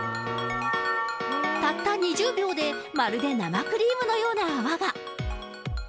たった２０秒で、まるで生クリームのような泡が。